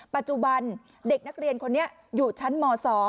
ปัจจุบันเด็กนักเรียนคนนี้อยู่ชั้นม๒